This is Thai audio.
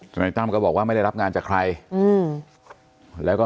นายตั้มก็บอกว่าไม่ได้รับงานจากใครอืมแล้วก็